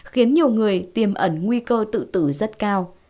khiến nhiều người tiềm ẩn nguy cơ tự tử rất cao